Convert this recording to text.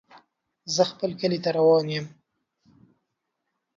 زه خپل کلي ته روان يم.